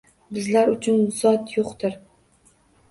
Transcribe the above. Bizlar uchun zot yo‘qdir